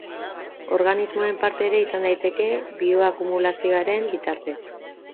Organismoen parte ere izan daiteke, bioakumulazioaren bitartez.